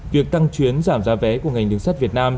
việc tăng chuyến giảm giá vé của ngành đường sắt việt nam